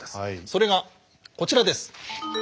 それがこちらです。